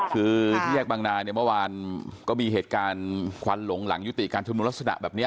คือที่แยกบางนาเนี่ยเมื่อวานก็มีเหตุการณ์ควันหลงหลังยุติการชุมนุมลักษณะแบบนี้